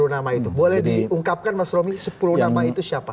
sepuluh nama itu boleh diungkapkan mas romy sepuluh nama itu siapa